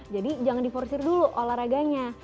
jadi jangan diforsir dulu olahraganya